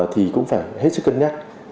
thì cũng phải hết sức cân nhắc